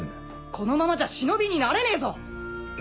このままじゃ忍になれねえぞ！